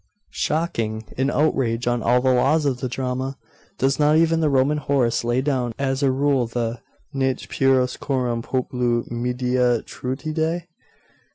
'Shocking! an outrage on all the laws of the drama. Does not even the Roman Horace lay down as a rule the Nec pueros coram populo Medea trucidet?